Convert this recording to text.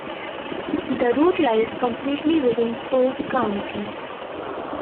The route lies completely within Polk County.